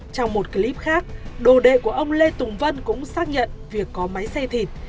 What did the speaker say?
trong một clip khác đồ đệ của ông lê tùng vân cũng xác nhận việc có máy xay thịt